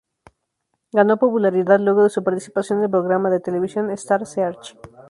Ganó popularidad luego de su participación en el programa de televisión "Star Search".